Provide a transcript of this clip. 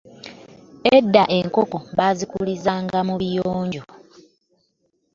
Edda enkoko bazikulizanga mu biyonjo.